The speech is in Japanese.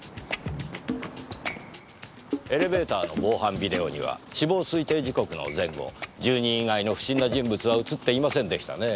エレベーターの防犯ビデオには死亡推定時刻の前後住人以外の不審な人物は映っていませんでしたねぇ。